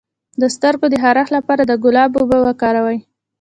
د سترګو د خارښ لپاره د ګلاب اوبه وکاروئ